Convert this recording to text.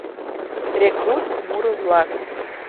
РЕКРУТ МУРО-ВЛАК.